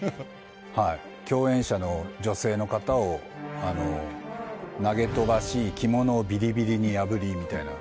共演者の女性の方を投げ飛ばし、着物をびりびりに破りみたいな。